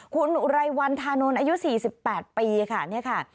คุณอุไรวันธานนท์อายุ๔๘ปีค่ะเนี่ยค่ะ